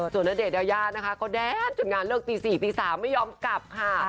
ส่วนณเดชน์แล้วย่างก็แดดจุดงานเลิกตีสี่ตีสามไม่ยอมกลับค่ะ